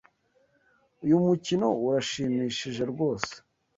Uyu mukino urashimishije rwose.